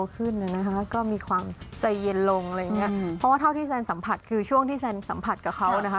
เพราะว่าเท่าที่แซนสัมผัสคือช่วงที่แซนสัมผัสกับเขานะฮะ